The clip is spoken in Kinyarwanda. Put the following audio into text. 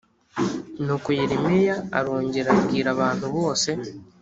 Nuko yeremiya arongera abwira abantu bose